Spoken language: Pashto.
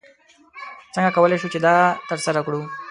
څنګه کولی شو چې دا ترسره کړو؟